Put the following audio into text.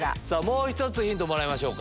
もう１つヒントもらいましょう。